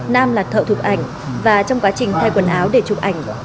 nam là thợ thuộc ảnh và trong quá trình thay quần áo để chụp ảnh